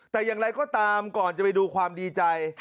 แต่อย่างไรก็ตามก่อนจะไปดูความดีใจ